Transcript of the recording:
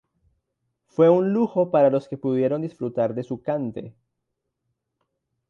Fue un lujo para los que pudieron disfrutar de su cante.